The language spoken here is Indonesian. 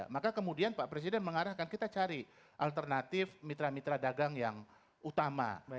maka kemudian pak presiden mengarahkan kita cari alternatif mitra mitra dagang yang utama